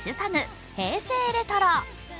平成レトロ。